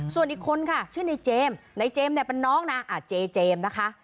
ส่วนอีกคนค่ะชื่อในเจมส์ในเจมส์เนี่ยเป็นน้องนะเจเจมส์นะคะ